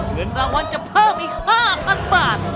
เหลืองละวันจะเพิ่มอีก๕๐๐๐บาท